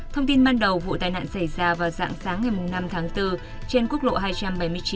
thông tin ban đầu vụ tai nạn xảy ra